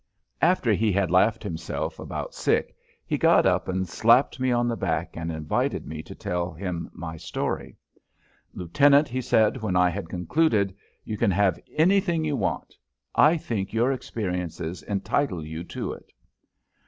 After he had laughed himself about sick he got up and slapped me on the back and invited me to tell him my story. "Lieutenant," he said, when I had concluded, "you can have anything you want. I think your experiences entitle you to it."